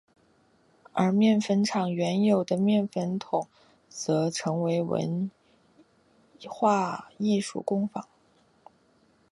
而面粉厂原有的面粉筒则成为文化艺术工坊。